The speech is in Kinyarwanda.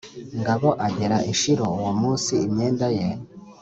ngabo agera i Shilo uwo munsi imyenda ye